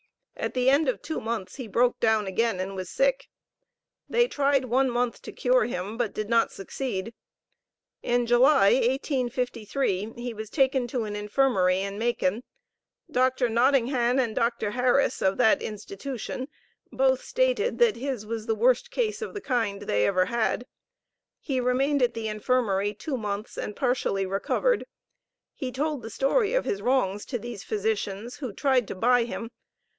At the end of two months he broke down again, and was sick. They tried one month to cure him, but did not succeed. In July, 1853, he was taken to an infirmary in Macon. Dr. Nottinghan and Dr. Harris, of that institution, both stated that his was the worst case of the kind they ever had. He remained at the infirmary two months and partially recovered. He told the story of his wrongs to these physicians, who tried to buy him.